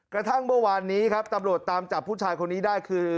กระทั่งเมื่อวานนี้ครับตำรวจตามจับผู้ชายคนนี้ได้คือ